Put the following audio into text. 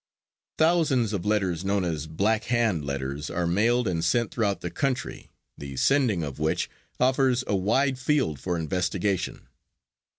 Thousands of letters known as "black hand" letters are mailed and sent throughout the country, the sending of which offers a wide field for investigation.